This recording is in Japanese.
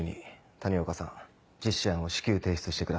谷岡さん実施案を至急提出してください。